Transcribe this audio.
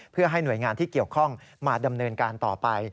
เพื่อให้หน่วยงานที่เกี่ยวข้องมาดำเนินการต่อไป